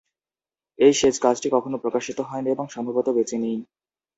এই শেষ কাজটি কখনও প্রকাশিত হয়নি, এবং সম্ভবত বেঁচে নেই।